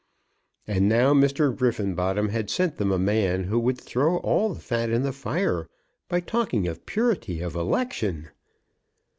And now Mr. Griffenbottom had sent them a man who would throw all the fat in the fire by talking of purity of election!